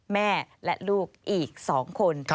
แม่และลูกอีก๒คน